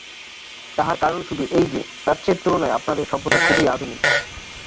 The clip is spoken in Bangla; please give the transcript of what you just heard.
তাহার কারণ শুধু এই যে, প্রাচ্যের তুলনায় আপনাদের সভ্যতা খুবই আধুনিক।